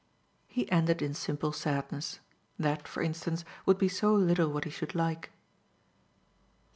He ended in simple sadness: that, for instance, would be so little what he should like.